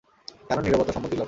কারণ নিরবতা সম্মতির লক্ষণ।